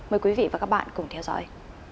mời quý vị và các bạn cùng theo dõi